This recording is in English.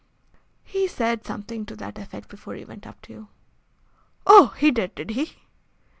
"He said something to that effect before he went up to you." "Oh, he did, did he?"